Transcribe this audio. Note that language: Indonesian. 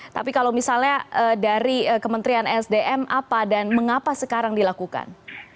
tapi kalau misalnya dari kementerian sdm apa dan mengapa sekarang dilakukan